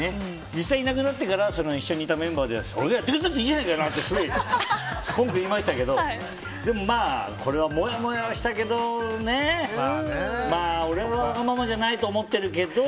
実際いなくなってからは一緒にいたメンバーでやってくれたっていいじゃないかってすごい文句言いましたけどこれは、もやもやしたけど俺はわがままじゃないって思ってるけど。